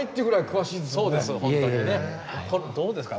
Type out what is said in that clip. どうですか？